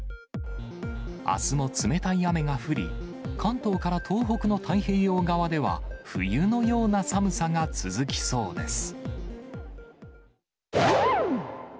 あすも冷たい雨が降り、関東から東北の太平洋側では、冬のような寒さが続きそうです。